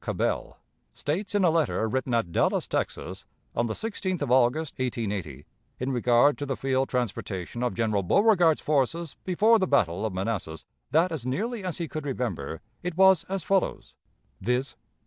Cabell, states in a letter written at Dallas, Texas, on the 16th of August, 1880, in regard to the field transportation of General Beauregard's forces before the battle of Manassas, that as nearly as he could remember it was as follows, viz.